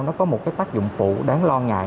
nó có một cái tác dụng phụ đáng lo ngại